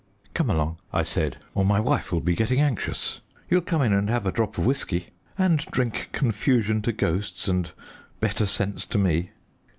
"Come along," I said, "or my wife will be getting anxious. You'll come in and have a drop of whisky and drink confusion to ghosts and better sense to me."